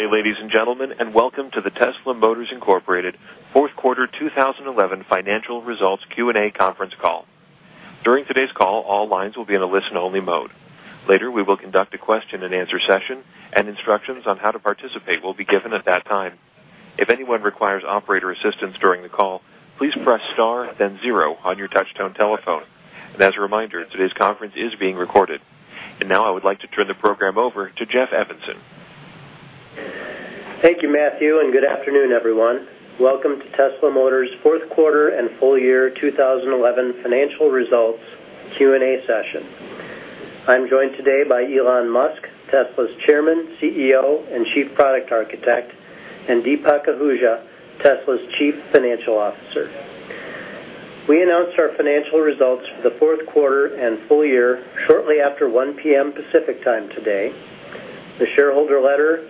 Good day, ladies and gentlemen, and welcome to the Tesla Motors Incorporated Fourth quarter 2011 Financial Results Q&A Conference Call. During today's call, all lines will be in a listen-only mode. Later, we will conduct a question-and-answer session, and instructions on how to participate will be given at that time. If anyone requires operator assistance during the call, please press star then zero on your touch-tone telephone. As a reminder, today's conference is being recorded. I would like to turn the program over to Jeff Evanson. Thank you, Matthew, and good afternoon, everyone. Welcome to Tesla Motors fourth quarter and full year 2011 financial results Q&A session. I'm joined today by Elon Musk, Tesla's Chairman, CEO, and Chief Product Architect, and Deepak Ahuja, Tesla's Chief Financial Officer. We announce our financial results for the fourth quarter and full year shortly after 1:00 P.M. Pacific time today. The shareholder letter,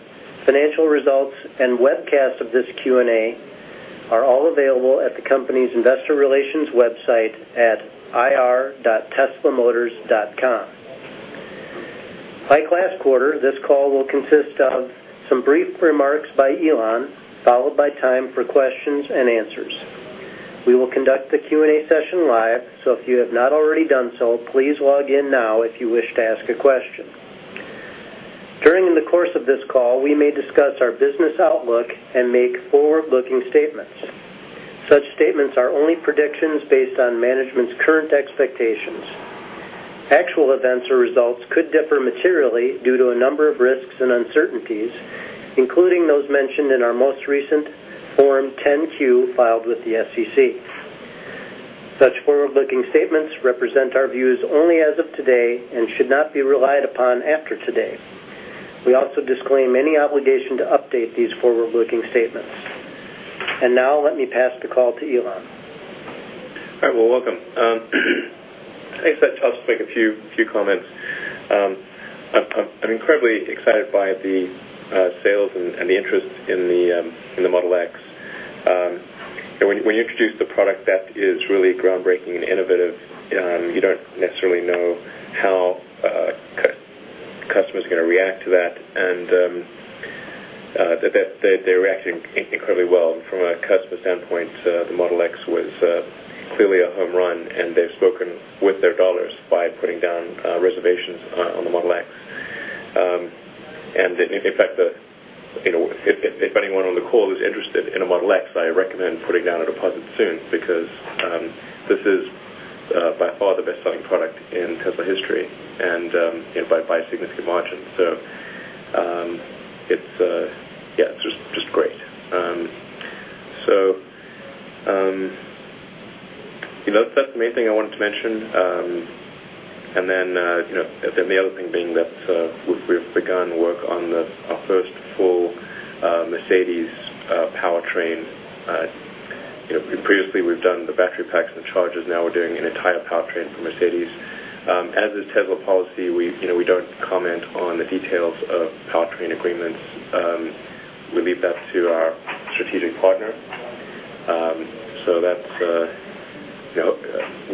financial results, and webcast of this Q&A are all available at the company's investor relations website at ir.teslamotors.com. Like last quarter, this call will consist of some brief remarks by Elon, followed by time for questions and answers. We will conduct the Q&A session live, so if you have not already done so, please log in now if you wish to ask a question. During the course of this call, we may discuss our business outlook and make forward-looking statements. Such statements are only predictions based on management's current expectations. Actual events or results could differ materially due to a number of risks and uncertainties, including those mentioned in our most recent Form 10-Q filed with the SEC. Such forward-looking statements represent our views only as of today and should not be relied upon after today. We also disclaim any obligation to update these forward-looking statements. Now, let me pass the call to Elon. All right. I just want to make a few comments. I'm incredibly excited by the sales and the interest in the Model X. When you introduce the product that is really groundbreaking and innovative, you don't necessarily know how customers are going to react to that. They're reacting incredibly well. From a customer standpoint, the Model X was clearly a home run, and they've spoken with their dollars by putting down reservations on the Model X. In fact, if anyone on the call is interested in a Model X, I recommend putting down a deposit soon because this is by far the best-selling product in Tesla history and by a significant margin. It's just great. That's the main thing I wanted to mention. The other thing being that we've begun work on our first full Mercedes powertrain. Previously, we've done the battery packs and the chargers. Now we're doing an entire powertrain for Mercedes. As is Tesla policy, we don't comment on the details of powertrain agreements. We leave that to our strategic partner.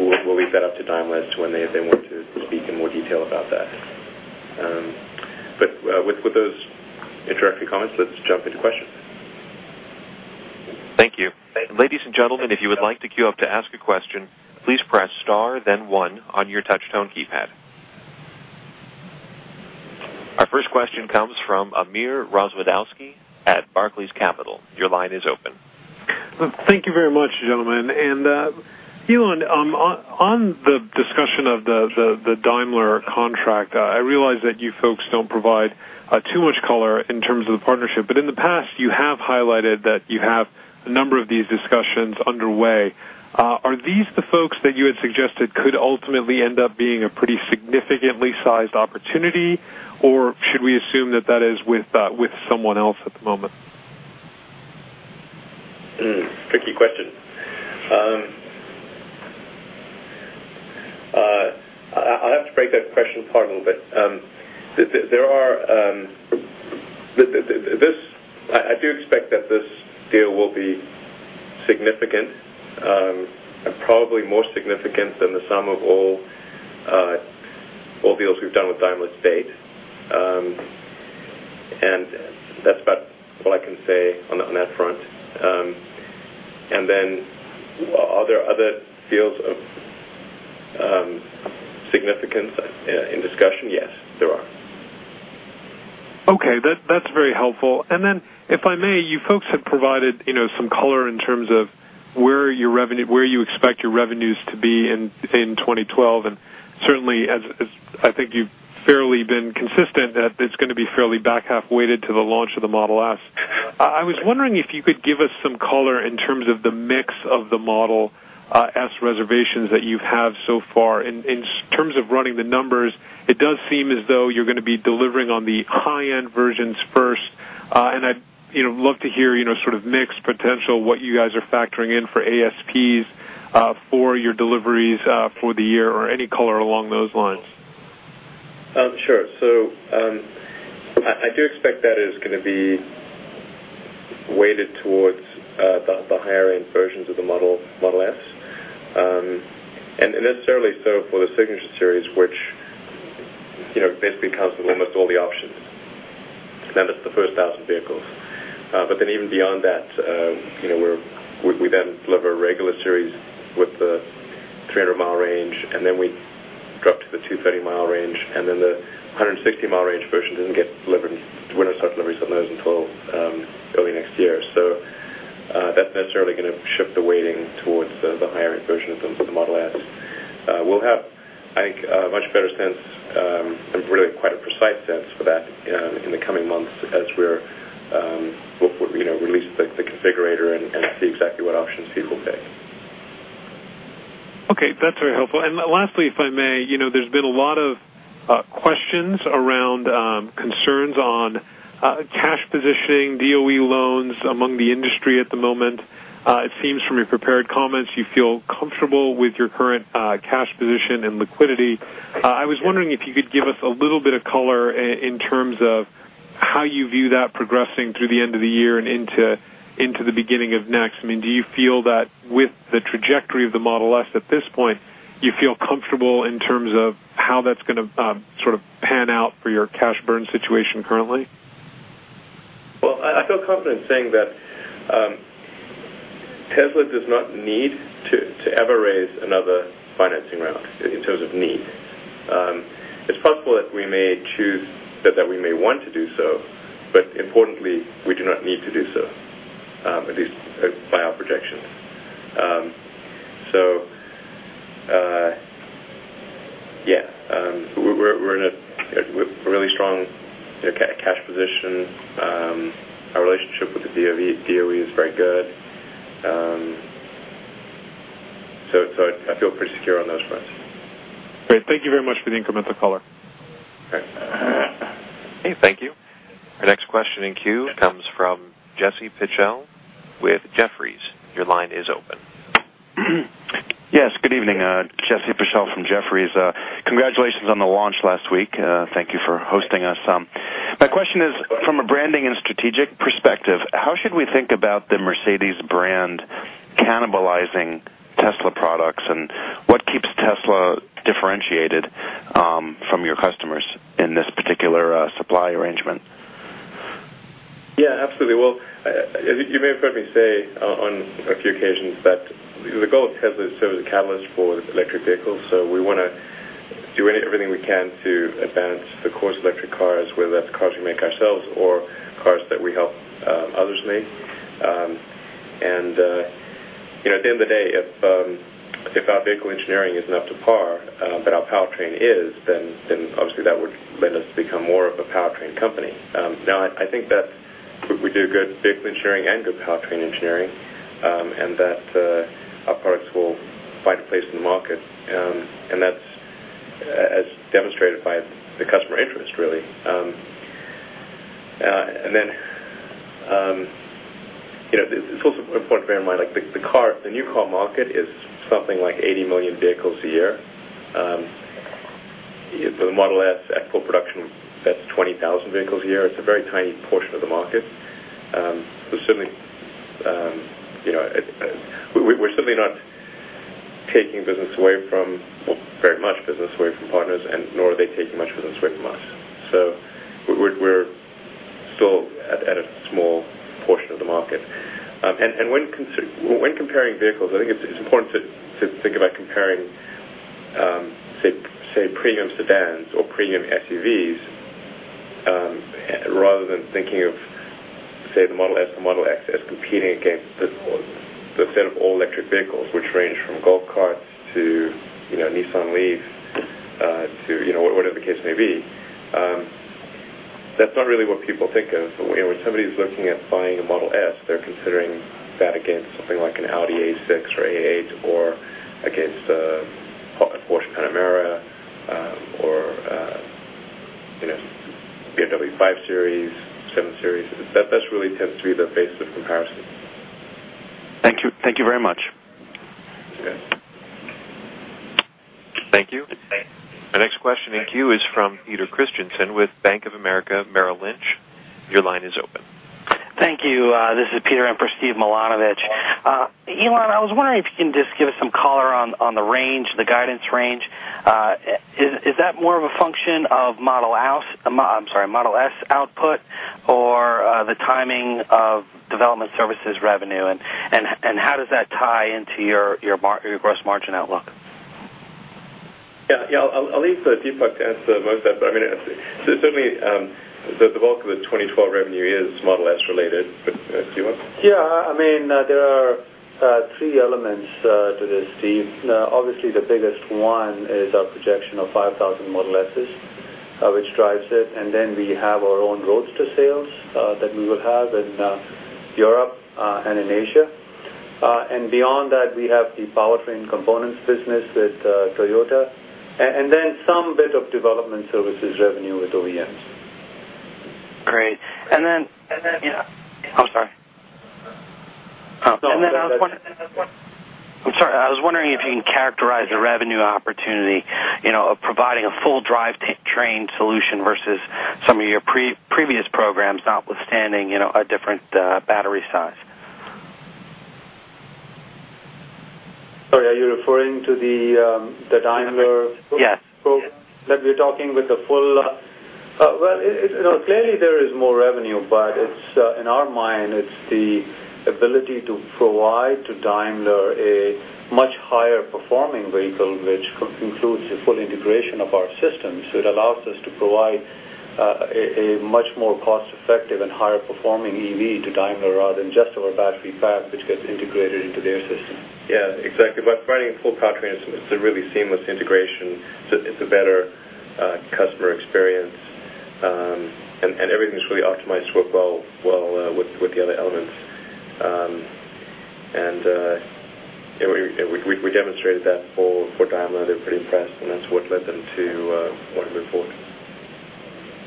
We'll leave that up to Daimler as to when they want to speak in more detail about that. With those introductory comments, let's jump into questions. Thank you. Ladies and gentlemen, if you would like to queue up to ask a question, please press star then one on your touch-tone keypad. Our first question comes from Amir Rozwadowski at Barclays Capital. Your line is open. Thank you very much, gentlemen. Elon, on the discussion of the Daimler contract, I realize that you folks don't provide too much color in terms of the partnership. In the past, you have highlighted that you have a number of these discussions underway. Are these the folks that you had suggested could ultimately end up being a pretty significantly sized opportunity, or should we assume that that is with someone else at the moment? That's a tricky question. I'll have to break that question apart a little bit. I do expect that this deal will be significant, and probably more significant than the sum of all deals we've done with Daimler to date. That's about all I can say on that front. There are other sales of significance in discussion. Yes, there are. Okay. That's very helpful. If I may, you folks had provided some color in terms of where you expect your revenues to be in, say, in 2012. Certainly, as I think you've fairly been consistent that it's going to be fairly back half weighted to the launch of the Model S. I was wondering if you could give us some color in terms of the mix of the Model S reservations that you have so far. In terms of running the numbers, it does seem as though you're going to be delivering on the high-end versions first. I'd love to hear sort of mix potential, what you guys are factoring in for ASPs for your deliveries for the year, or any color along those lines. Sure. I do expect that it is going to be weighted towards the higher-end versions of the Model S, and necessarily so for the Signature Series, which basically comes with almost all the options. That is the first 1,000 vehicles. Even beyond that, we then deliver regular series with the 300 mi range, and we drop to the 230 mi range. The 160 mi range version does not get delivered—we are not starting deliveries on those until early next year. That is necessarily going to shift the weighting towards the higher-end version of the Model S. I think we will have a much better sense, and really quite a precise sense for that in the coming months as we release the configurator and see exactly what options people pick. Okay. That's very helpful. Lastly, if I may, you know there's been a lot of questions around concerns on cash positioning, DOE loans among the industry at the moment. It seems from your prepared comments you feel comfortable with your current cash position and liquidity. I was wondering if you could give us a little bit of color in terms of how you view that progressing through the end of the year and into the beginning of next. I mean, do you feel that with the trajectory of the Model S at this point, you feel comfortable in terms of how that's going to sort of pan out for your cash burn situation currently? I feel confident in saying that Tesla does not need to ever raise another financing round in terms of need. It's possible that we may choose, that we may want to do so. Importantly, we do not need to do so, at least by our projections. We're in a really strong cash position. Our relationship with the DOE is very good. I feel pretty secure on those fronts. Great. Thank you very much for the incremental color. All right. Hey, thank you. Our next question in queue comes from Jesse Pichel with Jefferies. Your line is open. Yes. Good evening, Jesse Pichelle from Jefferies. Congratulations on the launch last week. Thank you for hosting us. My question is, from a branding and strategic perspective, how should we think about the Mercedes brand cannibalizing Tesla products, and what keeps Tesla differentiated from your customers in this particular supply arrangement? Absolutely. You may have heard me say on a few occasions that the goal of Tesla is to serve as a catalyst for electric vehicles. We want to do everything we can to advance the course of electric cars, whether that's cars we make ourselves or cars that we help others make. At the end of the day, if our vehicle engineering isn't up to par, but our powertrain is, then obviously that would let us become more of a powertrain company. I think that we do good vehicle engineering and good powertrain engineering, and that our products will find a place in the market. That's as demonstrated by the customer interest, really. It's also important to bear in mind, the new car market is something like 80 million vehicles a year. The Model S at full production sets 20,000 vehicles a year. It's a very tiny portion of the market. We're certainly not taking very much business away from partners, and nor are they taking much business away from us. We're still at a small portion of the market. When comparing vehicles, I think it's important to think about comparing, say, premium sedans or premium SUVs rather than thinking of, say, the Model S or Model X as competing against the set of all-electric vehicles, which range from golf cart to Nissan Leaf to whatever the case may be. That's not really what people think of. When somebody is looking at buying a Model S, they're considering that against something like an Audi A6 or A8 or against a Porsche Panamera or a BMW 5 Series, 7 Series. That really tends to be the base of comparison. Thank you. Thank you very much. That's okay. Thank you. Our next question in queue is from Peter Christiansen with Bank of America Merrill Lynch. Your line is open. Thank you. This is Peter, Emperor Steve Milanovich. Elon, I was wondering if you can just give us some color on the range, the guidance range. Is that more of a function of Model S, I'm sorry, Model S output or the timing of development Services revenue? How does that tie into your gross margin outlook? Yeah, I'll leave it for Deepak to answer most of that. I mean, certainly, the bulk of the 2012 revenue is Model S related. Deepak? Yeah. I mean, there are three elements to this, Steve. Obviously, the biggest one is our projection of 5,000 Model S, which drives it. We have our own roads to sales that we would have in Europe and in Asia. Beyond that, we have the powertrain components business with Toyota, and then some bit of development services revenue with OEMs. Great, you know, I'm sorry. No. I was wondering if you can characterize the revenue opportunity, you know, providing a full powertrain solution versus some of your previous programs, notwithstanding, you know, a different battery size. Sorry, are you referring to Daimler? Yes. We're talking with the full, you know, clearly there is more revenue, but in our mind, it's the ability to provide to Daimler a much higher-performing vehicle, which includes a full integration of our system. It allows us to provide a much more cost-effective and higher-performing EV to Daimler rather than just our battery pack, which gets integrated into their system. Yeah, exactly. By providing full powertrains, it's a really seamless integration. It's a better customer experience. Everything's really optimized to work well with the other elements. We demonstrated that for Daimler. They're pretty impressed, and that's what led them to want to move forward.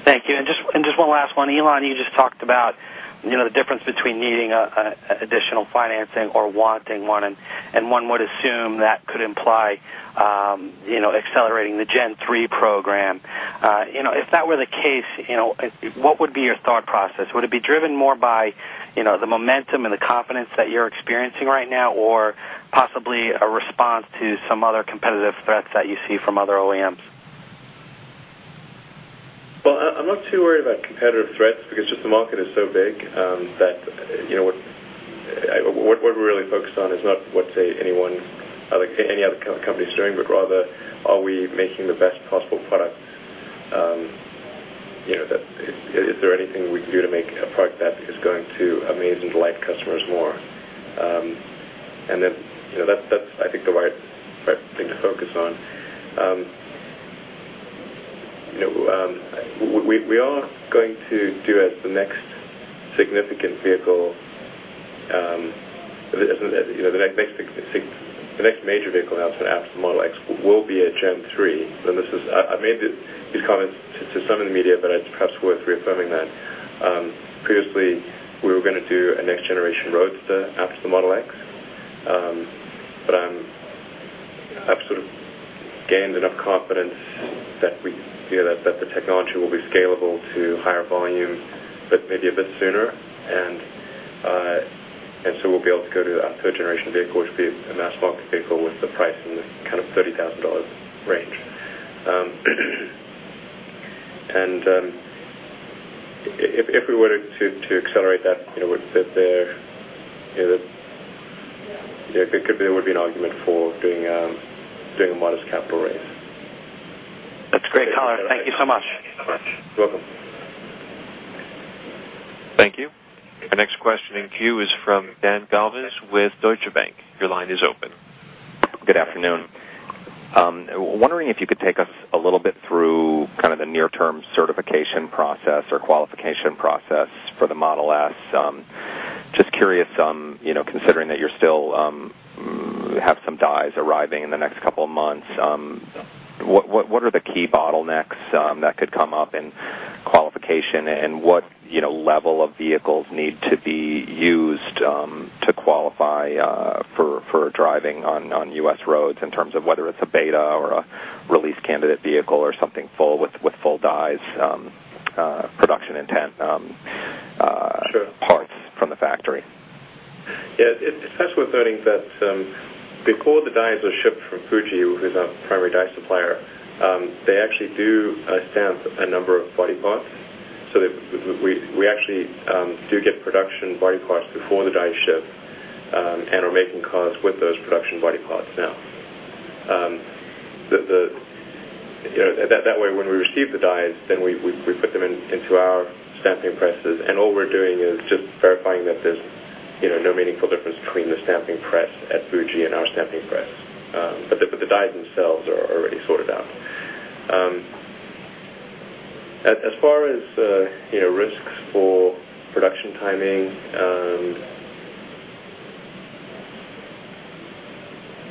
Thank you. Just one last one. Elon, you just talked about the difference between needing additional financing or wanting one. One would assume that could imply accelerating the Gen 3 program. If that were the case, what would be your thought process? Would it be driven more by the momentum and the confidence that you're experiencing right now, or possibly a response to some other competitive threats that you see from other OEMs? I'm not too worried about competitive threats because the market is so big that what we're really focused on is not what, say, any other company is doing, but rather, are we making the best possible product? Is there anything we can do to make a product that is going to amaze and delight customers more? That's, I think, the right thing to focus on. We are going to do it. The next significant vehicle, the next major vehicle announcement after the Model X will be a Gen 3. I made these comments to some in the media, but it's perhaps worth reaffirming that. Previously, we were going to do a next-generation roadster after the Model X. I've sort of gained enough confidence that the technology will be scalable to higher volume, maybe a bit sooner. We'll be able to go to a third-generation vehicle, which would be a mass market vehicle with the price in the kind of $30,000 range. If we were to accelerate that, you know there would be an argument for doing a modest capital raise. That's great color. Thank you so much. You're welcome. Thank you. Our next question in queue is from Dan Levy with Deutsche Bank. Your line is open. Good afternoon. Wondering if you could take us a little bit through the near-term certification process or qualification process for the Model S. Just curious, considering that you still have some dies arriving in the next couple of months, what are the key bottlenecks that could come up in qualification? What level of vehicles need to be used to qualify for driving on U.S. roads in terms of whether it's a beta or a release candidate vehicle or something with full dies, production intent parts from the factory? Yeah. It's fascinating learning that before the dies are shipped from Fuji, who's our primary die supplier, they actually do stamp a number of body parts. We actually do get production body parts before the dies ship and are making cars with those production body parts now. That way, when we receive the dies, we put them into our stamping presses, and all we're doing is just verifying that there's no meaningful difference between the stamping press at Fuji and our stamping press. The dies themselves are already sorted out. As far as risks for production timing,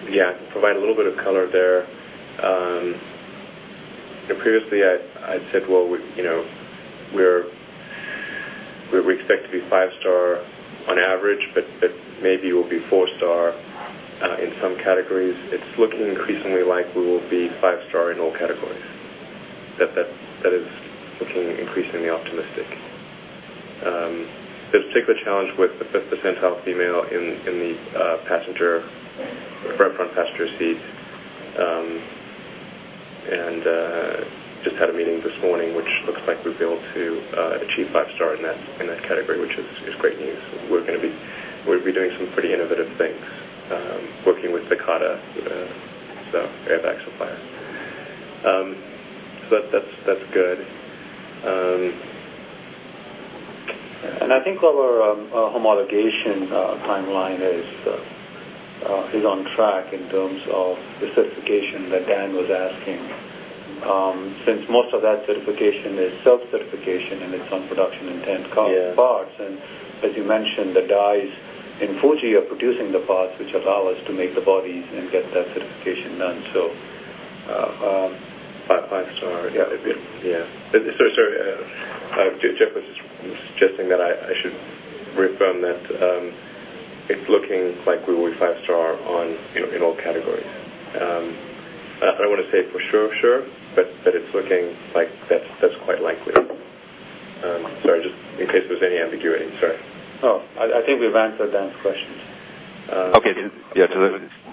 I can provide a little bit of color there. Previously, I'd said we expect to be five-star on average, but maybe we'll be four-star in some categories. It's looking increasingly like we will be five-star in all categories. That is looking increasingly optimistic. There's a particular challenge with the fifth percentile female in the front passenger seats. I just had a meeting this morning, which looks like we'll be able to achieve five-star in that category, which is great news. We're going to be doing some pretty innovative things, working with Dakkota, the seatback supplier. That's good. I think our homologation timeline is on track in terms of the certification that Dan was asking. Since most of that certification is self-certification and it's on production intent car parts, as you mentioned, the dies in Fuji are producing the parts which allow us to make the bodies and get that certification done. Five-star. Yeah. Jeff was just suggesting that I should reaffirm that it's looking like we will be five-star in all categories. I don't want to say it for sure, but it's looking like that's quite likely. Just in case there's any ambiguity. Sorry. Oh, I think we've answered Dan's question. Okay, yeah,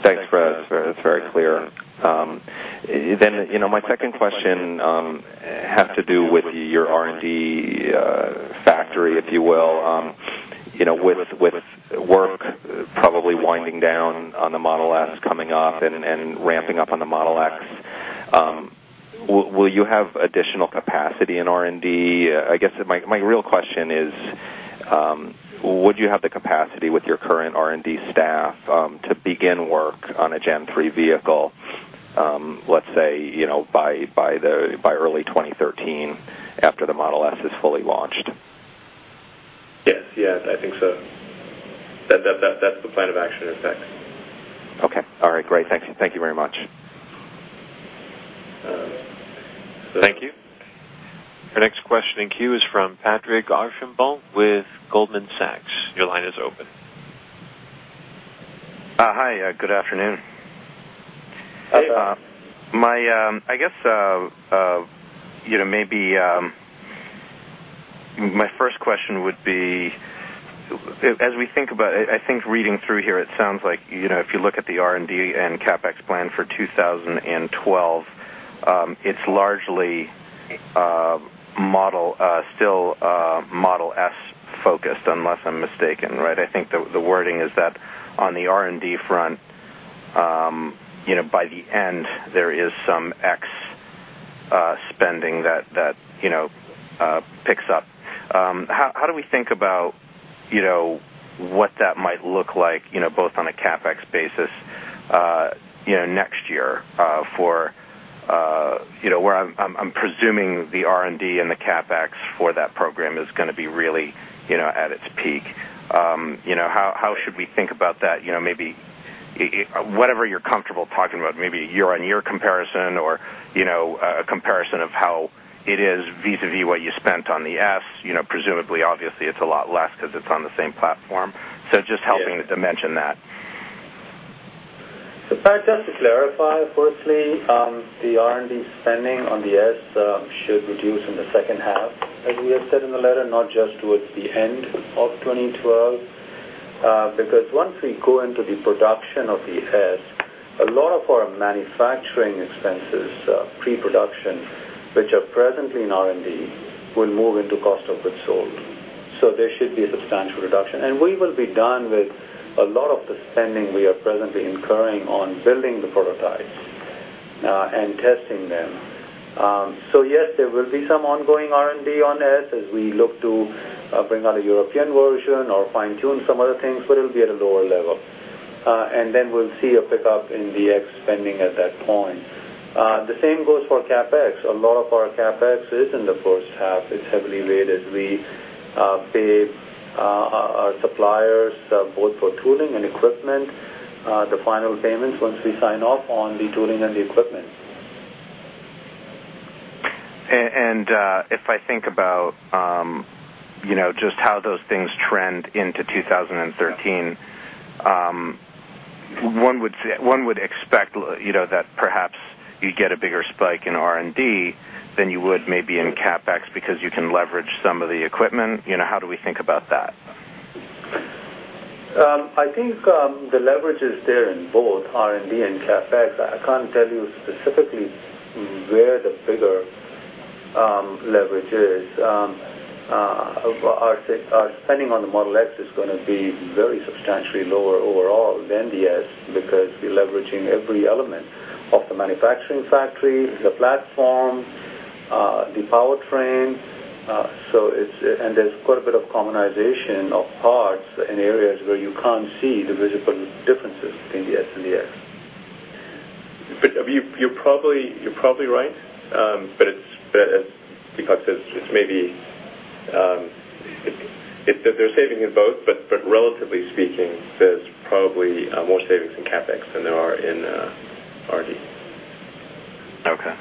thanks. It's very clear. My second question has to do with your R&D factory, if you will, with work probably winding down on the Model S coming up and ramping up on the Model X. Will you have additional capacity in R&D? I guess my real question is, would you have the capacity with your current R&D staff to begin work on a Gen 3 vehicle, let's say, you know, by early 2013 after the Model S is fully launched? Yes, I think so. That's the plan of action, in fact. Okay. All right. Great. Thank you. Thank you very much. Thank you. Our next question in queue is from Patrick Archambault with Goldman Sachs. Your line is open. Hi, good afternoon. Hi. I guess, you know, maybe my first question would be, as we think about it, I think reading through here, it sounds like, you know, if you look at the R&D and CapEx plan for 2012, it's largely still Model S-focused, unless I'm mistaken, right? I think the wording is that on the R&D front, you know, by the end, there is some X spending that, you know, picks up. How do we think about, you know, what that might look like, you know, both on a CapEx basis, you know, next year for, you know, where I'm presuming the R&D and the CapEx for that program is going to be really, you know, at its peak? How should we think about that? Maybe whatever you're comfortable talking about, maybe a year-on-year comparison or, you know, a comparison of how it is vis-à-vis what you spent on the S, you know, presumably, obviously, it's a lot less because it's on the same platform. Just helping to mention that. Just to clarify, firstly, the R&D spending on the Model S should reduce in the second half, as you have said in the letter, not just towards the end of 2012. Once we go into the production of the S, a lot of our manufacturing expenses, pre-production, which are presently in R&D, will move into cost of goods sold. There should be a substantial reduction, and we will be done with a lot of the spending we are presently incurring on building the prototypes and testing them. Yes, there will be some ongoing R&D on the S as we look to bring out a European version or fine-tune some other things, but it'll be at a lower level. We'll see a pickup in the Model X spending at that point. The same goes for CapEx. A lot of our CapEx is in the first half. It's heavily weighted as we pay our suppliers both for tooling and equipment, the final payments once we sign off on the tooling and the equipment. If I think about, you know, just how those things trend into 2013, one would expect, you know, that perhaps you get a bigger spike in R&D than you would maybe in CapEx because you can leverage some of the equipment. You know, how do we think about that? I think the leverage is there in both R&D and CapEx. I can't tell you specifically where the bigger leverage is. Our spending on the Model X is going to be very substantially lower overall than the Model S because we're leveraging every element of the manufacturing factory, the platform, the powertrain. There's quite a bit of commonization of parts in areas where you can't see the visible differences between the S and the X. You're probably right, but maybe they're saving in both, but relatively speaking, it's probably more savings in CapEx than there are in R&D. Okay.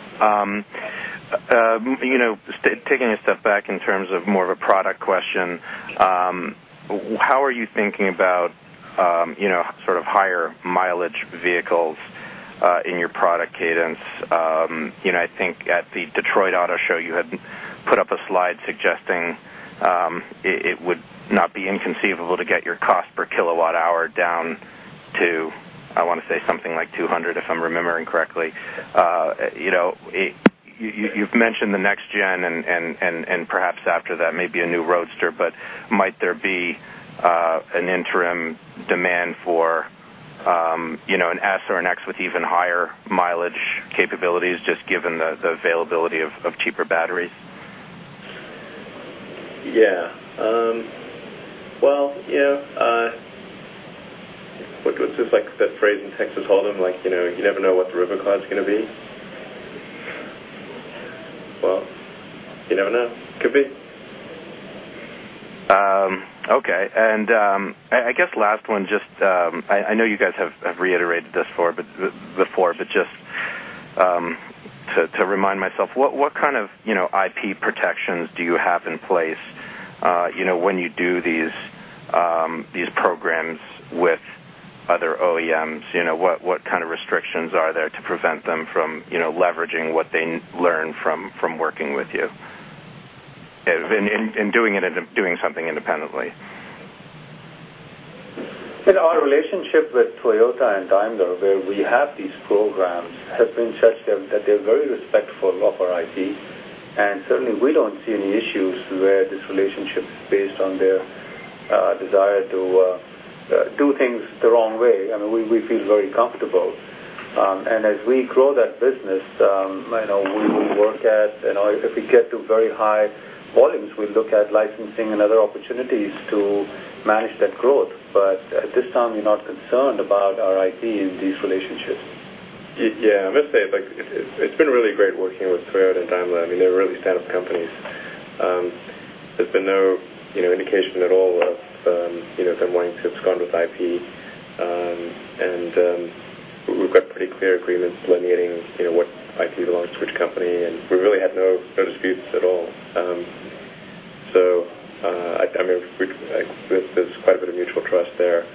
Taking a step back in terms of more of a product question, how are you thinking about sort of higher mileage vehicles in your product cadence? I think at the Detroit Auto Show, you had put up a slide suggesting it would not be inconceivable to get your cost per kWh down to $200, if I'm remembering correctly. You've mentioned the next gen, and perhaps after that, maybe a new roadster, but might there be an interim demand for a S or a X with even higher mileage capabilities, just given the availability of cheaper batteries? Yeah. You know, what's this like the phrase in Texas? I'll call them like, you know, you never know what the river cloud's going to be. Okay. I know you guys have reiterated this before, but just to remind myself, what kind of IP protections do you have in place when you do these programs with other OEMs? What kind of restrictions are there to prevent them from leveraging what they learn from working with you and doing something independently? In our relationship with Toyota and Daimler, where we have these programs, have been such that they're very respectful of our IP. Certainly, we don't see any issues where this relationship is based on their desire to do things the wrong way. I mean, we feel very comfortable. As we grow that business, we will work at, if we get to very high volumes, we'll look at licensing and other opportunities to manage that growth. At this time, we're not concerned about our IP in these relationships. Yeah. I must say, it's been really great working with Toyota and Daimler. I mean, they're really stand-up companies. There's been no indication at all of them wanting to subscribe with IP. We've got pretty clear agreements delineating what IP launched which company, and we really had no disputes at all. I mean, there's quite a bit of mutual trust there.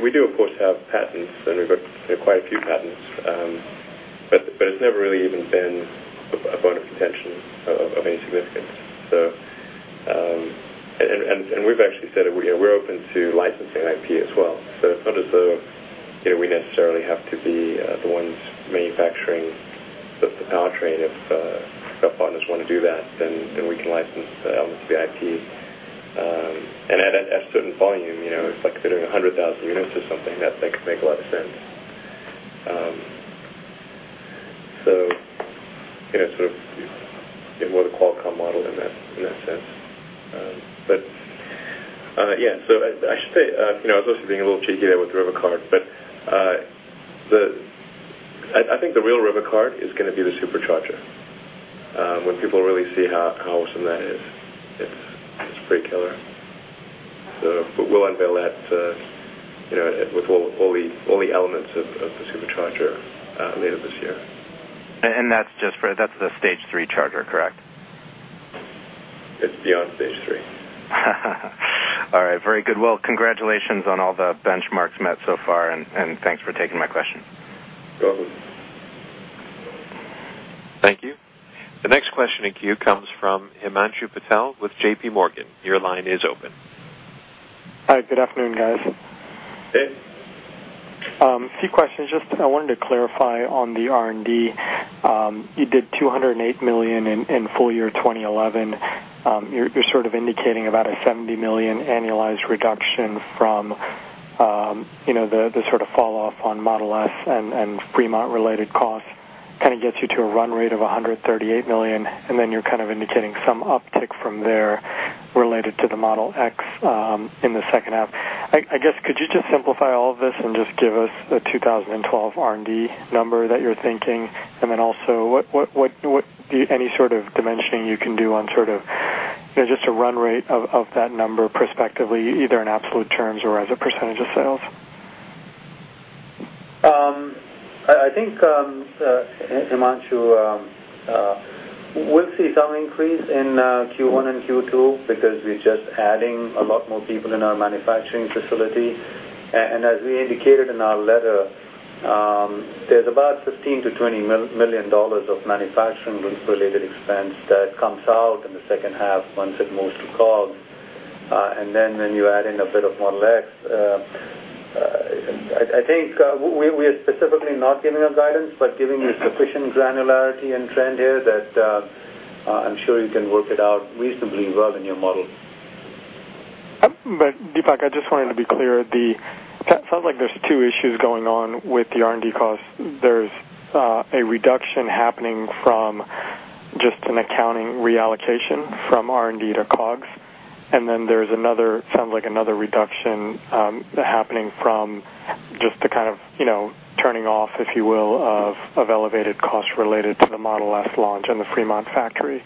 We do, of course, have patents, and we've got quite a few patents. It's never really even been a bone of contention of any significance. We've actually said that we're open to licensing IP as well. It's not as though we necessarily have to be the ones manufacturing the powertrain. If our partners want to do that, then we can license elements of the IP. At a certain volume, you know, if they're doing 100,000 units or something, that could make a lot of sense. You know, it's sort of more of a Qualcomm model in that sense. I should say, you know, I was also being a little cheeky there with the river card. I think the real river card is going to be the Supercharger when people really see how awesome that is. It's a free killer. We'll unveil that, you know, with all the elements of the Supercharger later this year. That's just for the stage three charger, correct? It's beyond stage three. All right. Very good. Congratulations on all the benchmarks met so far, and thanks for taking my question. You're welcome. Thank you. The next question in queue comes from Himanshu Patel with J.P. Morgan. Your line is open. Hi. Good afternoon, guys. Hey. A few questions. I wanted to clarify on the R&D. You did $208 million in full year 2011. You're sort of indicating about a $70 million annualized reduction from the sort of falloff on Model S and Fremont-related costs. That kind of gets you to a run rate of $138 million. You're indicating some uptick from there related to the Model X in the second half. Could you just simplify all of this and give us the 2012 R&D number that you're thinking? Also, any sort of dimensioning you can do on just a run rate of that number perspectively, either in absolute terms or as a percentage of sales? I think Himanshu will see some increase in Q1 and Q2 because we're just adding a lot more people in our manufacturing facility. As we indicated in our letter, there's about $15 million-$20 million of manufacturing-related expense that comes out in the second half once it moves to car. When you add in a bit of Model X, I think we are specifically not giving a guidance, but giving you sufficient granularity and trend here that I'm sure you can work it out reasonably well in your model. Deepak, I just wanted to be clear. It sounds like there's two issues going on with the R&D costs. There's a reduction happening from just an accounting reallocation from R&D to COGS, and then there's another, sounds like another reduction happening from just the kind of, you know, turning off, if you will, of elevated costs related to the Model S launch and the Fremont factory.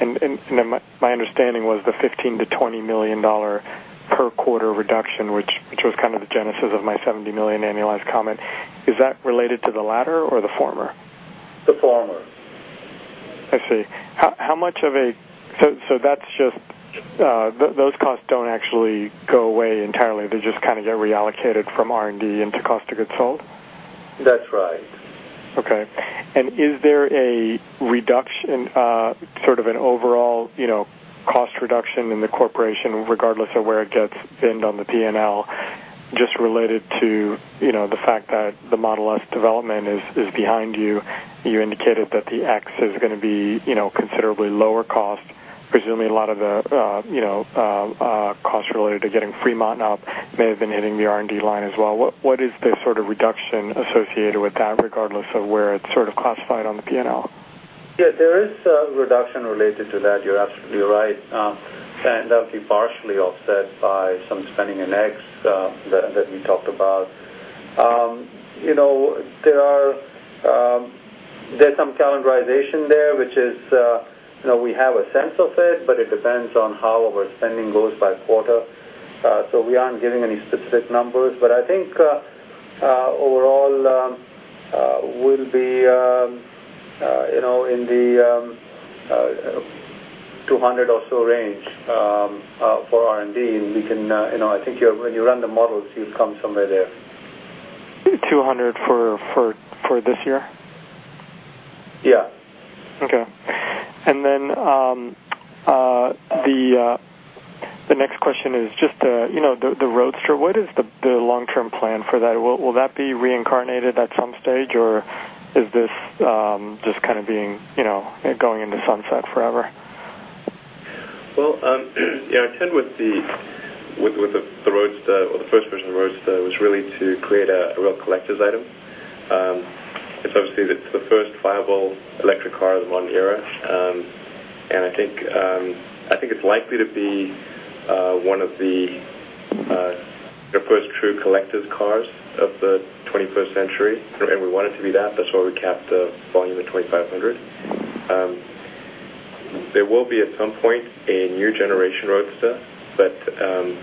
My understanding was the $15 million-$20 million per quarter reduction, which was kind of the genesis of my $70 million annualized comment. Is that related to the latter or the former? The former. I see. How much of a, so that's just those costs don't actually go away entirely. They just kind of get reallocated from R&D into cost of goods sold? That's right. Okay. Is there a reduction, sort of an overall, you know, cost reduction in the corporation regardless of where it gets pinned on the P&L, just related to, you know, the fact that the Model S development is behind you? You indicated that the X is going to be, you know, considerably lower cost. Presumably, a lot of the, you know, costs related to getting Fremont up may have been hitting the R&D line as well. What is the sort of reduction associated with that regardless of where it's sort of classified on the P&L? Yeah, there is a reduction related to that. You're absolutely right. That'll be partially offset by some spending in X that we talked about. There's some calendarization there, which is, you know, we have a sense of it, but it depends on how our spending goes by quarter. We aren't giving any specific numbers. I think overall, we'll be in the $200 million or so range for R&D. When you run the models, you'll come somewhere there. 200 for this year? Yeah. Okay. The next question is just the, you know, the Roadster. What is the long-term plan for that? Will that be reincarnated at some stage, or is this just kind of being, you know, going into sunset forever? With the Roadster, or the first version of the Roadster, the intent was really to create a real collector's item. It's obviously the first viable electric car of one era. I think it's likely to be one of the first true collector's cars of the 21st century. We want it to be that. That's why we capped the volume at 2,500. There will be at some point a new generation Roadster, but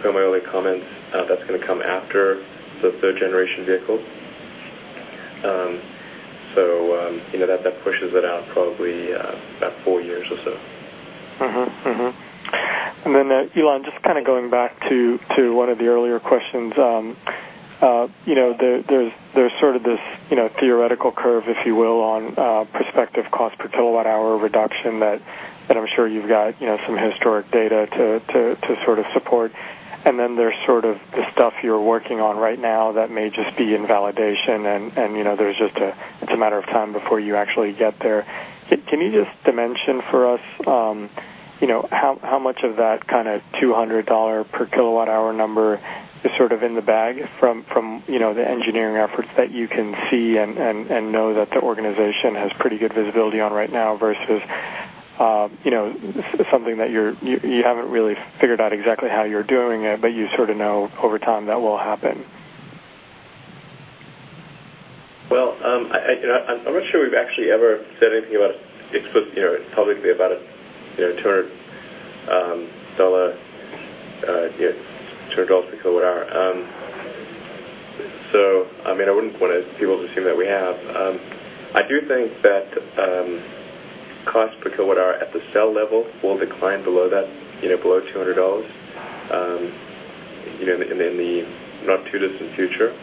from my earlier comments, that's going to come after the third-generation vehicle. You know that pushes it out probably about four years or so. Elon, just kind of going back to one of the earlier questions, there's sort of this theoretical curve, if you will, on prospective cost per kWh reduction that I'm sure you've got some historic data to support. There's the stuff you're working on right now that may just be in validation. There's just a matter of time before you actually get there. Can you mention for us how much of that kind of $200 per kWh number is in the bag from the engineering efforts that you can see and know that the organization has pretty good visibility on right now versus something that you haven't really figured out exactly how you're doing it, but you know over time that will happen? I'm not sure we've actually ever said anything about it publicly about a $200 per kWh. I wouldn't want to be able to assume that we have. I do think that cost per kWh at the cell level will decline below that, you know, below $200 in the not-too-distant future.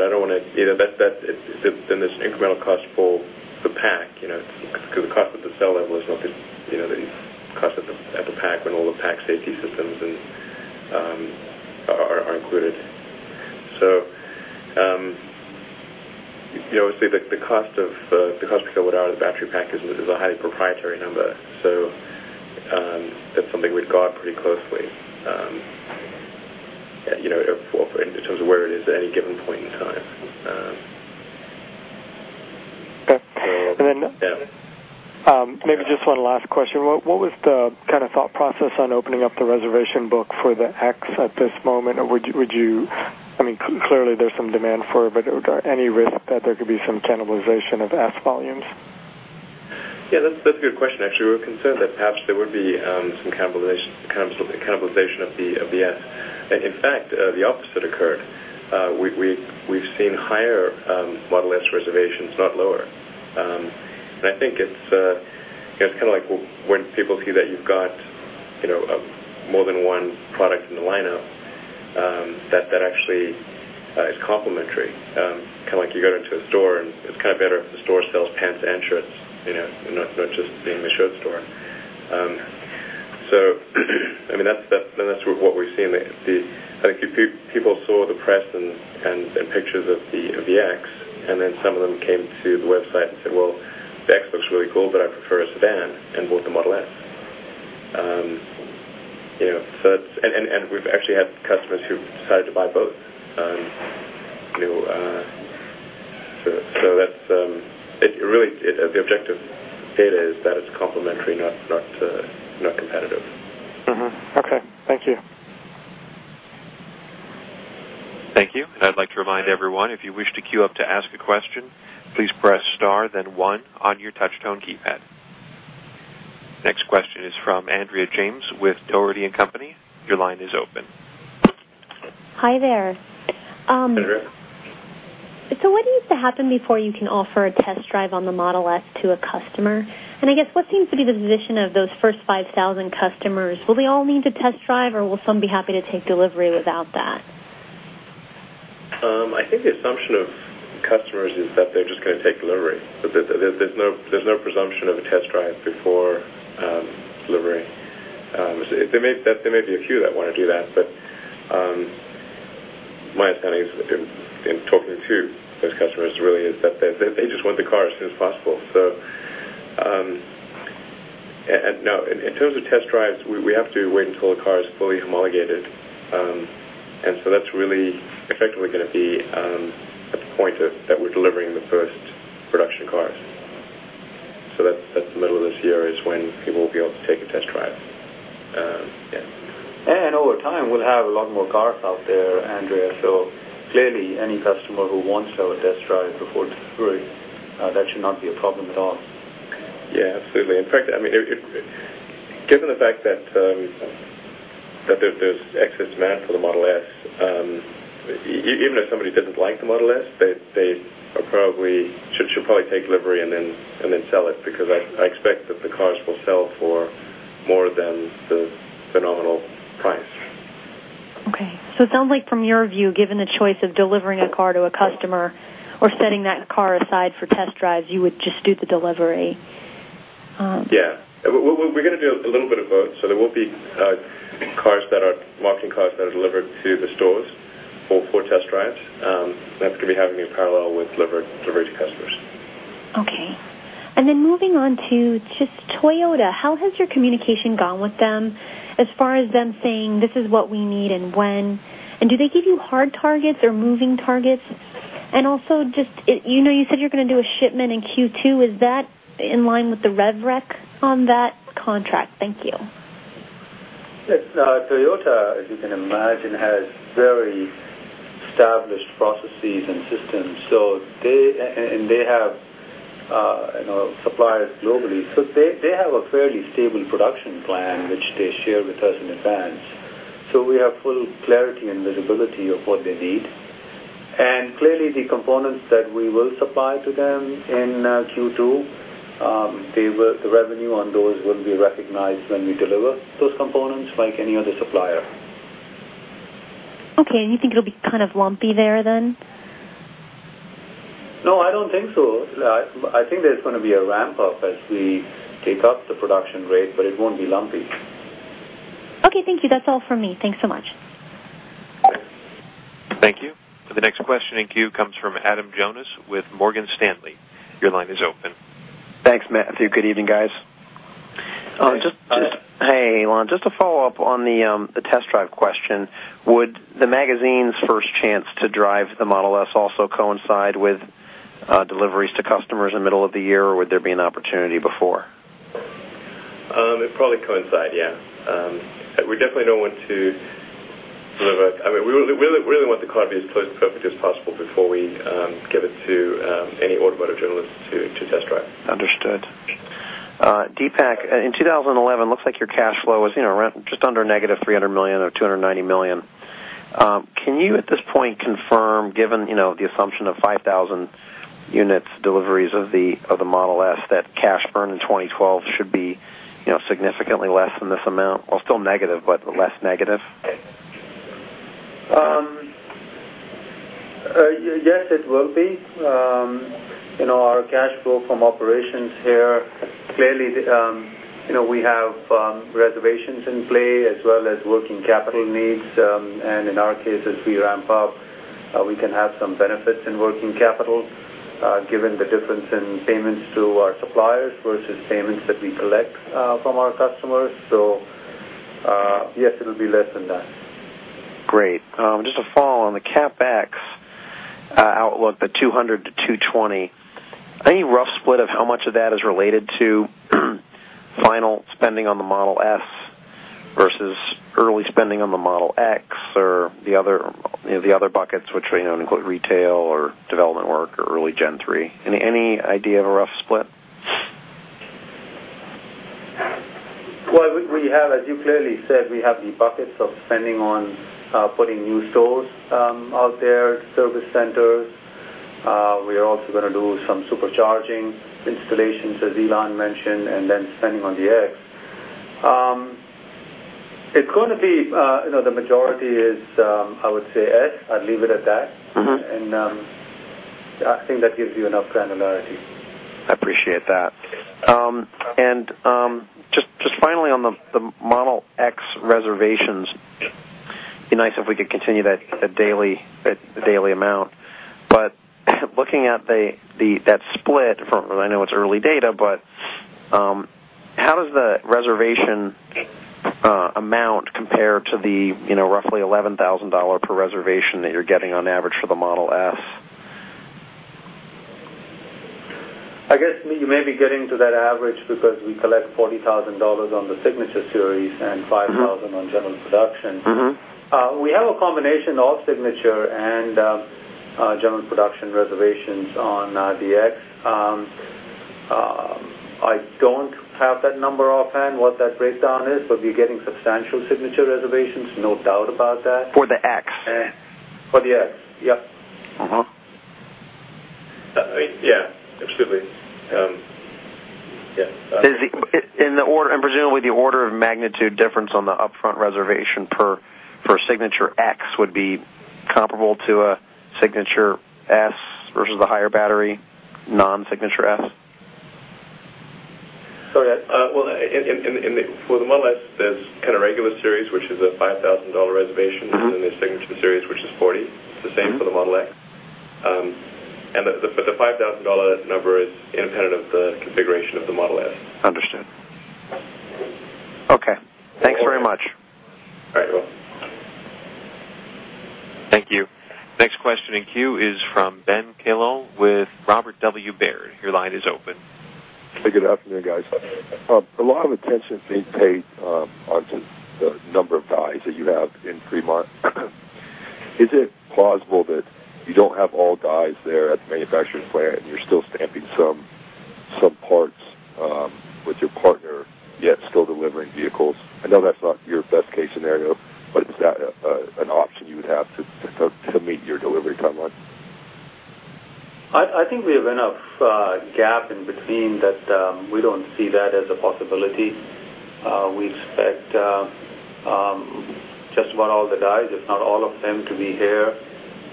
I don't want to, you know, that's been this incremental cost for the pack. The cost with the cell level is not this, you know, these costs at the pack when all the pack safety systems are included. The cost per kWh of the battery pack is a highly proprietary number. That's something we'd guard pretty closely, you know, in terms of where it is at any given point in time. Maybe just one last question. What was the kind of thought process on opening up the reservation book for the Model X at this moment? I mean, clearly there's some demand for it, but are there any risks that there could be some cannibalization of Model S volumes? Yeah, that's a good question, actually. We were concerned that perhaps there would be some kind of cannibalization of the Model S. In fact, the opposite occurred. We've seen higher Model S reservations, not lower. I think it's kind of like when people feel that you've got more than one product in the lineup, that actually is complimentary. Kind of like you go into a store and it's better if the store sells pants and shirts, not just the shirt store. That's what we've seen. I think people saw the press and pictures of the Model X, and then some of them came to the website and said, "The Model X looks really cool, but I prefer a sedan," and bought the Model S. We've actually had customers who've decided to buy both. That's really the objective data, that it's complimentary, not competitive. Okay, thank you. Thank you. I'd like to remind everyone, if you wish to queue up to ask a question, please press star, then one on your touchtone keypad. Next question is from Andrea James with [Georgia] Company. Your line is open. Hi there. Hi there. What needs to happen before you can offer a test drive on the Model S to a customer? I guess, what seems to be the position of those first 5,000 customers? Will they all need to test drive, or will some be happy to take delivery without that? I think the assumption of customers is that they're just going to take delivery. There's no presumption of a test drive before delivery. There may be a few that want to do that, but my understanding is that in talking to those customers, really, is that they just want the car as soon as possible. In terms of test drives, we have to wait until the car is fully homologated. That's really effectively going to be at the point that we're delivering the first production cars. That's the middle of this year. It's when people will be able to take a test drive. Yeah. Over time, we'll have a lot more cars out there, Andrea. Clearly, any customer who wants to have a test drive before delivery, that should not be a problem at all. Yeah, absolutely. In fact, given the fact that there's excess demand for the Model S, even if somebody doesn't like the Model S, they should probably take delivery and then sell it because I expect that the cars will sell for more than the phenomenal price. Okay. It sounds like from your view, given the choice of delivering a car to a customer or setting that car aside for test drives, you would just do the delivery. Yeah. We're going to do a little bit of both. There will be marketing cars that are delivered to the stores for test drives. That's going to be happening in parallel with delivery to customers. Okay. Moving on to just Toyota, how has your communication gone with them as far as them saying, "This is what we need and when"? Do they give you hard targets or moving targets? Also, you said you're going to do a shipment in Q2. Is that in line with the rev rec on that contract? Thank you. Toyota, as you can imagine, has very established processes and systems. They have supplied globally, and they have a fairly stable production plan, which they share with us in advance. We have full clarity and visibility of what they need. The components that we will supply to them in Q2, the revenue on those will be recognized when we deliver those components like any other supplier. Okay, you think it'll be kind of lumpy there then? No, I don't think so. I think there's going to be a ramp-up as we take up the production rate, but it won't be lumpy. Okay, thank you. That's all for me. Thanks so much. Thank you. For the next question in queue comes from Adam Jonas with Morgan Stanley. Your line is open. Thanks, Matthew. Good evening, guys. Hey, Elon. Just to follow up on the test drive question, would the magazine's first chance to drive the Model S also coincide with deliveries to customers in the middle of the year, or would there be an opportunity before? It'd probably coincide, yeah. We definitely don't want to deliver. I mean, we really want the car to be as close to perfect as possible before we give it to any automotive journalist to test drive. Understood. Deepak, in 2011, it looks like your cash flow was just under -$300 million or -$290 million. Can you, at this point, confirm, given the assumption of 5,000 units deliveries of the Model S, that cash burn in 2012 should be significantly less than this amount? Still negative, but less negative? Yes, it will be. Our cash flow from operations here, clearly, we have reservations in play as well as working capital needs. In our case, as we ramp up, we can have some benefits in working capital given the difference in payments to our suppliers versus payments that we collect from our customers. Yes, it'll be less than that. Great. Just a follow-up on the CapEx outlook, the $200 million-$220 million. Any rough split of how much of that is related to final spending on the Model S versus early spending on the Model X or the other buckets, which are going to include retail or development work or early Gen 3? Any idea of a rough split? As you clearly said, we have the buckets of spending on putting new stores out there, service centers. We are also going to do some Supercharging installations, as Elon mentioned, and then spending on the X. It's going to be, you know, the majority is, I would say, S. I'd leave it at that. I think that gives you enough granularity. I appreciate that. Just finally, on the Model X reservations, it'd be nice if we could continue that daily amount. Looking at that split, I know it's early data, but how does the reservation amount compare to the roughly $11,000 per reservation that you're getting on average for the Model S? I guess you may be getting to that average because we collect $40,000 on the Signature Series and $5,000 on general production. We have a combination of Signature and general production reservations on the X. I don't have that number offhand, what that breakdown is, but we're getting substantial Signature reservations, no doubt about that. For the X? For the Model X, yep. Yeah, absolutely. Yeah. Presumably, the order of magnitude difference on the upfront reservation per Signature X would be comparable to a Signature S versus the higher battery non-Signature S? For the Model S, there's kind of regular series, which is a $5,000 reservation, and there's Signature Series, which is $40,000. It's the same for the Model X. For the $5,000 number, it's independent of the configuration of the Model S. Understood. Okay, thanks very much. All right. Thank you. Next question in queue is from Ben Kallo with Robert W. Baird. Your line is open. Thank you. Good afternoon, guys. A lot of attention is being paid to the number of dies that you have in Fremont. Is it plausible that you don't have all dies there at the manufacturer's plant and you're still stamping some parts with your partner, yet still delivering vehicles? I know that's not your best-case scenario, but is that an option you would have to meet your delivery timeline? I think we have enough gap in between that we don't see that as a possibility. We expect just about all the dies, if not all of them, to be here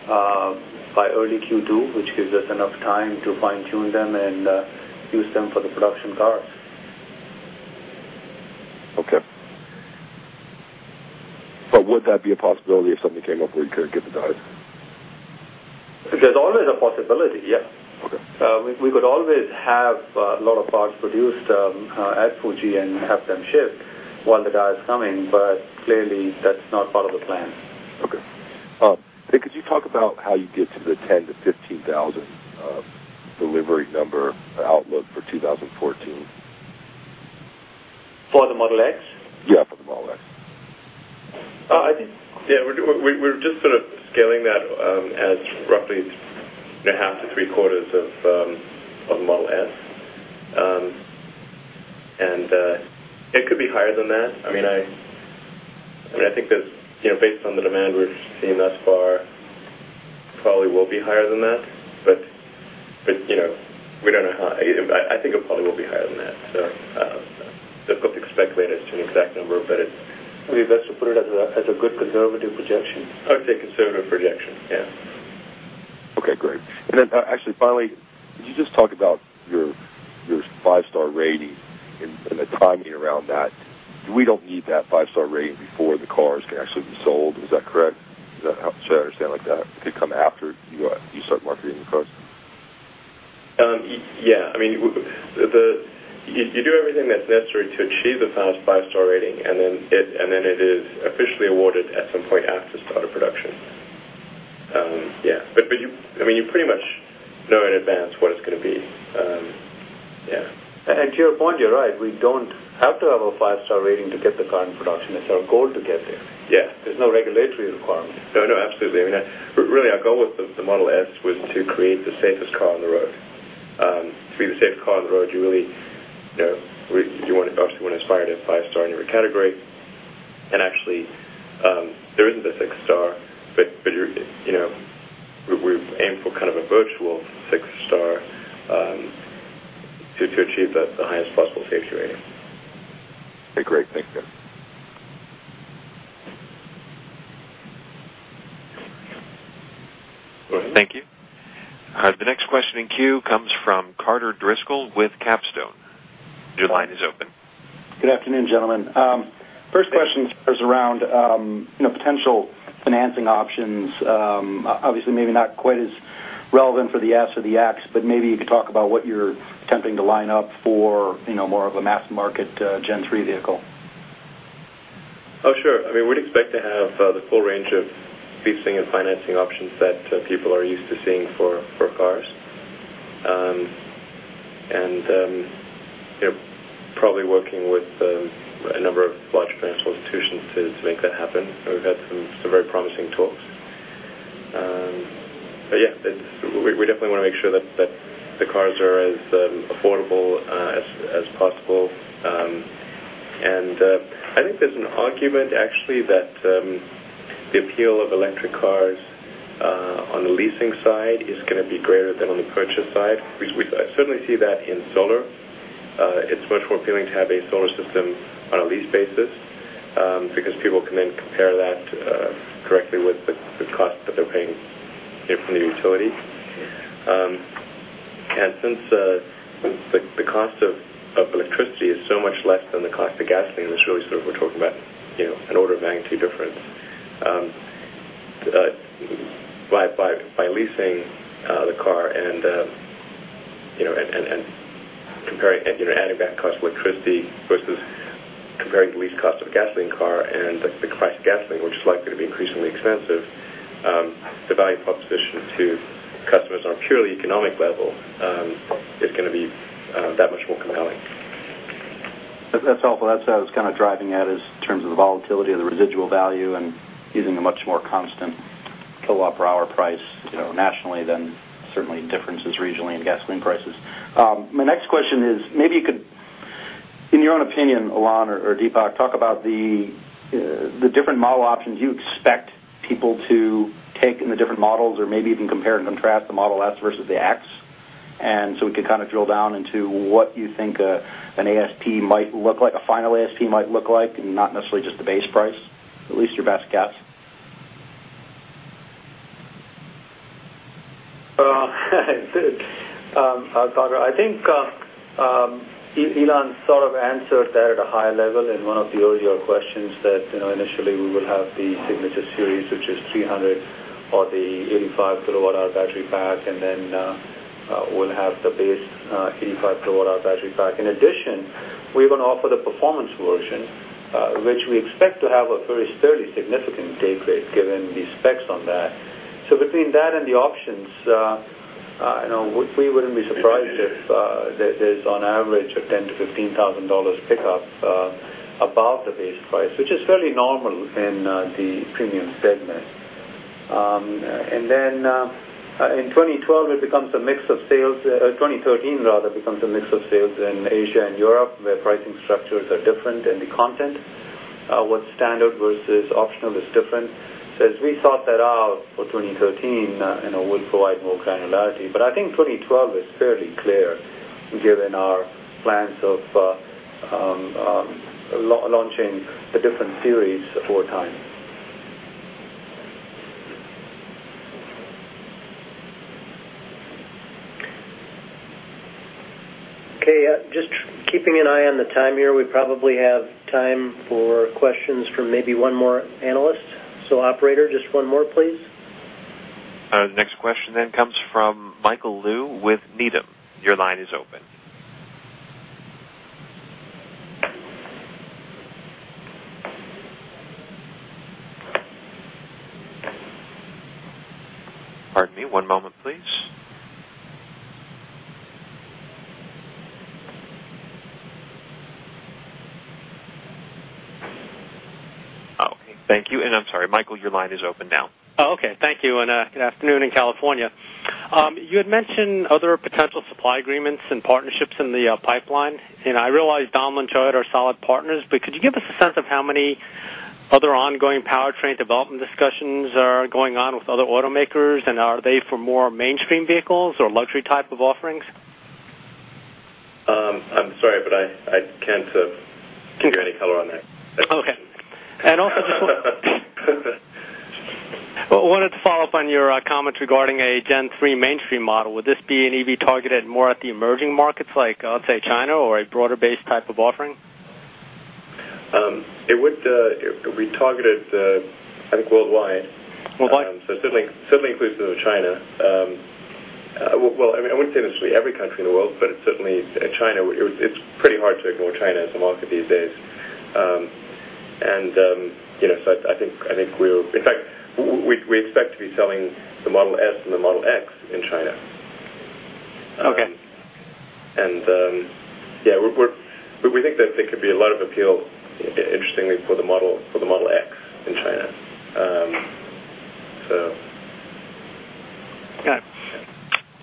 by early Q2, which gives us enough time to fine-tune them and use them for the production cars. Would that be a possibility if something came up where you couldn't get the dies? There's always a possibility, yeah. We could always have a lot of cars produced at Fuji and have them shipped while the dies are coming. Clearly, that's not part of the plan. Okay, could you talk about how you get to the 10,000-15,000 delivery number outlook for 2014? For the Model X? Yeah, for the Model X. I think, yeah, we're just sort of scaling that as roughly a 0.5-0.75 of the Model S. It could be higher than that. I mean, I think there's, you know, based on the demand we're seeing thus far, it probably will be higher than that. We don't know how. I think it probably will be higher than that. It's difficult to expect later, it's an exact number, but let's just put it as a good conservative projection. I would say conservative projection, yeah. Okay. Great. Finally, you just talked about your five-star rating and the timing around that. We don't need that five-star rating before the cars can actually be sold. Is that correct? Is that how I understand it? Like that could come after you start marketing your cars? Yeah, I mean, you do everything that's necessary to achieve the five-star rating, and then it is officially awarded at some point after start of production. Yeah, but you pretty much know in advance what it's going to be. Yeah. You're right. We don't have to have a five-star rating to get the car in production. It's our goal to get there. Yeah. There's no regulatory requirement. No, absolutely. I mean, really, our goal with the Model S was to create the safest car on the road. To be the safest car on the road, you really want it obviously when it's five-star in every category. Actually, there isn't a six-star, but we've aimed for kind of a virtual six-star to achieve the highest possible safety rating. Okay. Great. Thank you. Go ahead. Thank you. The next question in queue comes from Carter Driscoll with Capstone. Your line is open. Good afternoon, gentlemen. First question is around potential financing options. Obviously, maybe not quite as relevant for the S or the X, but maybe you could talk about what you're attempting to line up for more of a mass-market Gen 3 vehicle. Oh, sure. I mean, we'd expect to have the full range of leasing and financing options that people are used to seeing for cars. They're probably working with a number of large financial institutions to make that happen. We've had some very promising talks. We definitely want to make sure that the cars are as affordable as possible. I think there's an argument, actually, that the appeal of electric cars on the leasing side is going to be greater than on the purchase side. We certainly see that in solar. It's much more appealing to have a solar system on a lease basis because people can then compare that directly with the cost that they're paying from the utility. Since the cost of electricity is so much less than the cost of gasoline, it's really sort of we're talking about an order of magnitude difference by leasing the car and adding that cost of electricity versus comparing the lease cost of a gasoline car and the price of gasoline, which is likely to be increasingly expensive. The value proposition to customers on a purely economic level is going to be that much more compelling. That's helpful. That's what I was kind of driving at, in terms of the volatility of the residual value and using a much more constant kwph price nationally than certainly differences regionally in gasoline prices. My next question is, maybe you could, in your own opinion, Elon or Deepak, talk about the different model options you expect people to take in the different models or maybe even compare and contrast the Model S versus the Model X. We could kind of drill down into what you think an ASP might look like, a final ASP might look like, and not necessarily just the base price, at least your best guess. I think Elon sort of answered that at a higher level in one of the earlier questions. Initially, we will have the Signature Series, which is 300 or the 85 kWh battery pack, and then we'll have the base 85 kWh battery pack. In addition, we're going to offer the performance version, which we expect to have a fairly significant decrease given the specs on that. Between that and the options, we wouldn't be surprised if there's on average a $10,000-$15,000 pickup above the base price, which is fairly normal in the premium segment. In 2012, it becomes a mix of sales, or 2013, rather, becomes a mix of sales in Asia and Europe, where pricing structures are different and the content, what's standard versus optional, is different. As we sort that out for 2013, we'll provide more granularity. I think 2012 is fairly clear, given our plans of launching the different series for time. Okay. Just keeping an eye on the time here, we probably have time for questions from maybe one more analyst. Operator, just one more, please. The next question then comes from Michael Liu with Needham. Your line is open. Thank you. I'm sorry, Michael, your line is open now. Oh, okay. Thank you. Good afternoon in California. You had mentioned other potential supply agreements and partnerships in the pipeline. I realize Daimler and Toyota are solid partners, but could you give us a sense of how many other ongoing powertrain development discussions are going on with other automakers? Are they for more mainstream vehicles or luxury type of offerings? I'm sorry, but I can't give any color on that. Okay. I also just wanted to follow up on your comments regarding a Gen 3 mainstream model. Would this be an EV targeted more at the emerging markets, like, let's say, China, or a broader-based type of offering? It would be targeted, I think, worldwide. Worldwide. It certainly includes China. I mean, I wouldn't say necessarily every country in the world, but it's certainly China. It's pretty hard to ignore China as a market these days. You know, I think we're, in fact, we expect to be selling the Model S and the Model X in China. Okay. We think that there could be a lot of appeal, interestingly, for the Model X in China. Got it.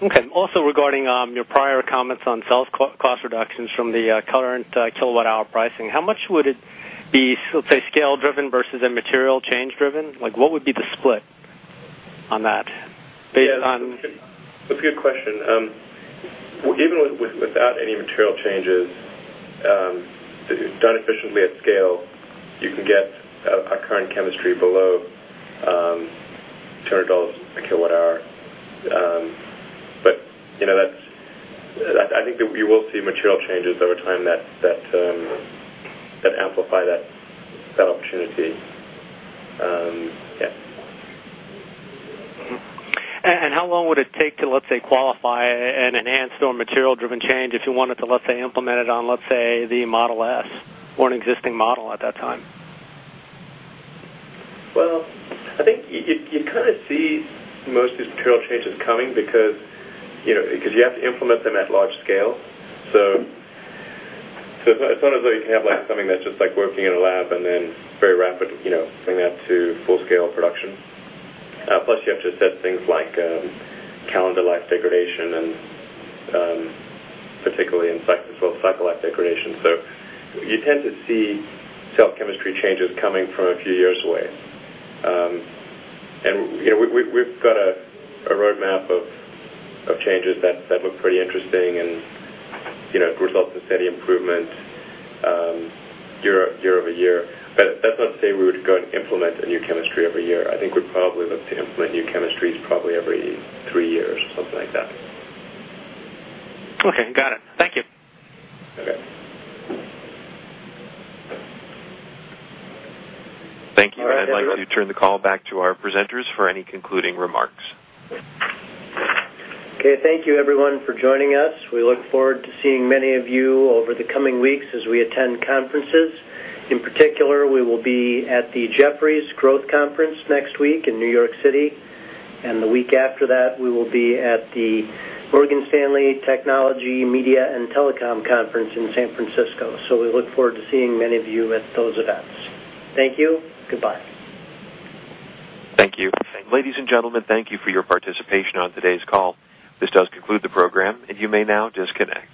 Okay. Also, regarding your prior comments on sales cost reductions from the current kWh pricing, how much would it be, let's say, scale-driven versus immaterial change-driven? What would be the split on that based on? That's a good question. Even without any material changes, done efficiently at scale, you can get a current chemistry below $200 a kWh. You know, I think that you will see material changes over time that amplify that opportunity. Yeah. How long would it take to, let's say, qualify an enhanced or material-driven change if you wanted to, let's say, implement it on, let's say, the Model S or an existing model at that time? I think you'd kind of see most of these material changes coming because you have to implement them at large scale. It's not as though you can have something that's just like working in a lab and then very rapidly bring that to full-scale production. Plus, you have to set things like calendar life degradation and particularly in cycle life degradation. You tend to see cell chemistry changes coming from a few years away. We've got a roadmap of changes that look pretty interesting and result in steady improvement year over year. That's not to say we would go and implement a new chemistry every year. I think we'd probably look to implement new chemistries probably every three years or something like that. Okay. Got it. Thank you. Thank you. I'd like to turn the call back to our presenters for any concluding remarks. Thank you, everyone, for joining us. We look forward to seeing many of you over the coming weeks as we attend conferences. In particular, we will be at the Jefferies Growth Conference next week in New York City. The week after that, we will be at the Morgan Stanley Technology, Media, and Telecom Conference in San Francisco. We look forward to seeing many of you at those events. Thank you. Goodbye. Thank you. Ladies and gentlemen, thank you for your participation on today's call. This does conclude the program, and you may now disconnect.